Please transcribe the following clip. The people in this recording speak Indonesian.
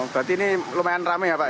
berarti ini lumayan rame ya pak